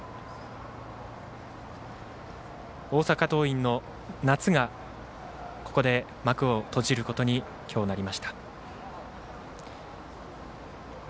大阪桐蔭の夏が今日ここで幕を閉じることになりました。